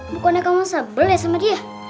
bukannya kamu sebele sama dia